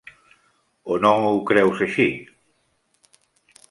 O no ho creus així?